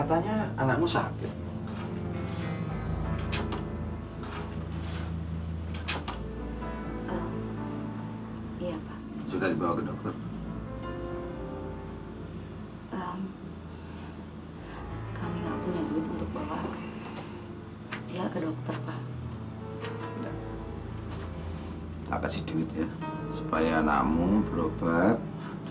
barusan anak saya telepon pak